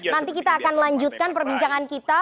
nanti kita akan lanjutkan perbincangan kita